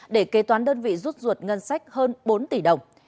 để kế toán đơn vị rút ruột ngân sách hơn bốn tỷ đồng